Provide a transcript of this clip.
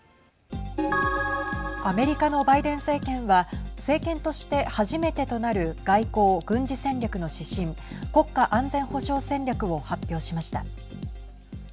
アメリカのバイデン政権は政権として初めてとなる外交・軍事戦略の指針国家安全保障戦略を発表しました。